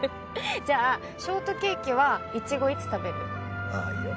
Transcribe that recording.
じゃあショートケーキはイチゴいつ食べる？いいよ。